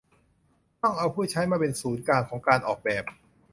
ต้องเอาผู้ใช้มาเป็นศูนย์กลางของการออกแบบ